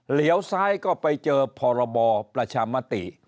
เหลียวซ้ายก็ไปเจอพรบประชามติ